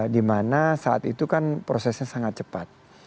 dimana saat itu kan prosesnya sangat cepat